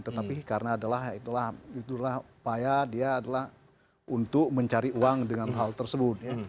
tetapi karena adalah itulah upaya dia adalah untuk mencari uang dengan hal tersebut